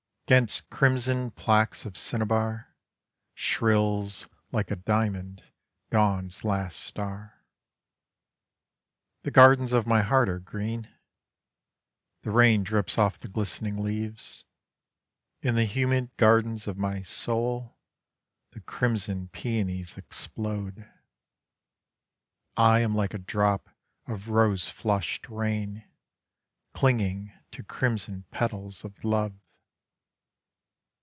'Gainst crimson placques of cinnabar Shrills, like a diamond, dawn's last star. The gardens of my heart are green: The rain drips off the glistening leaves. In the humid gardens of my soul, The crimson peonies explode. I am like a drop of rose flushed rain, Clinging to crimson petals of love.